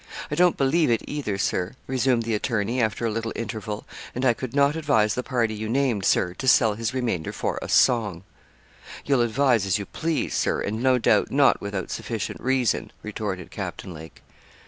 I don't believe it either, Sir,' resumed the attorney, after a little interval; 'and I could not advise the party you named, Sir, to sell his remainder for a song.' 'You'll advise as you please, Sir, and no doubt not without sufficient reason,' retorted Captain Lake.